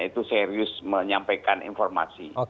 itu serius menyampaikan informasi